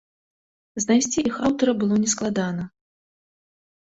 Знайсці іх аўтара было нескладана.